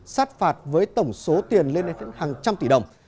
sát phạt với tổng số tiền lên đến hàng trăm tỷ đồng